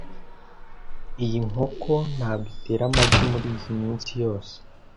Iyi nkoko ntabwo itera amagi muriyi minsi yose .